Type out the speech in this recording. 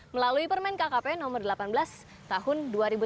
melalui permen kkp nomor delapan belas tahun dua ribu tujuh belas